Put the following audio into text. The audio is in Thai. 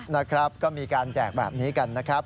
นะครับก็มีการแจกแบบนี้กันนะครับ